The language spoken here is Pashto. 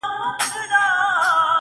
جهاني غزل دي نوی شرنګ اخیستی؛